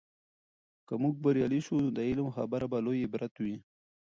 که موږ بریالي سو، نو د علم خبره به لوي عبرت وي.